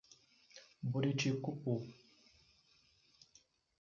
Buriticupu